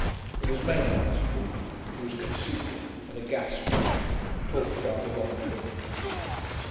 It was Maynard's fault; he was conceited, and a gasbag, and talked about the wrong things.